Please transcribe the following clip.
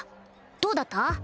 どうだった？